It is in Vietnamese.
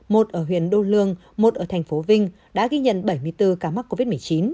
một ở huyện đô lương một ở thành phố vinh đã ghi nhận bảy mươi bốn ca mắc covid một mươi chín